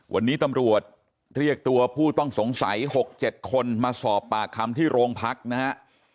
วันนี้ตำรวจเรียกตัวผู้ต้องสงสัย๖๗คนมาสอบปากคำที่โรงพักนะฮะ